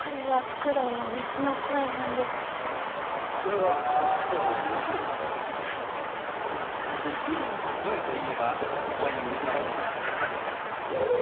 フクロウの声といえば思い浮かぶのはこちら。